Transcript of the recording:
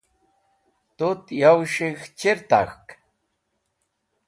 Tut yo s̃hik̃h chir tak̃hk?